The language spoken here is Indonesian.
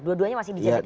dua duanya masih dijajaki